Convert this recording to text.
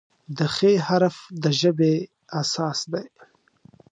د "خ" حرف د ژبې اساس دی.